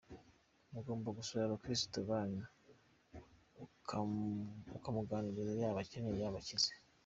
Mugomba gusura abakristo banyu, ukamuganiriza, yaba akennye, yaba akize.